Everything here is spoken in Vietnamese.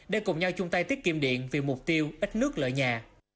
để cùng nhau chung tay tiết kiệm điện vì mục tiêu ít nước lợi nhà